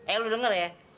eh lo denger ya